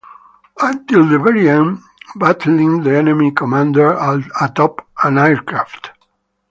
Until the very end, battling the enemy commander atop an aircraft.